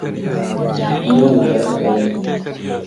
iyo bugaragaye